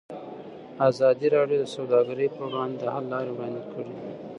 ازادي راډیو د سوداګري پر وړاندې د حل لارې وړاندې کړي.